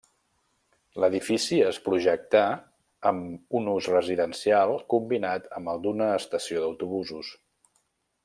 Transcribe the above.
L'edifici es projectà amb un ús residencial combinat amb el d'una estació d'autobusos.